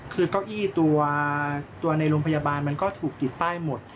คือเก้าอี้ตัวในโรงพยาบาลมันก็ถูกติดป้ายหมด